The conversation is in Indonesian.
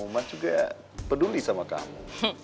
umat juga peduli sama kamu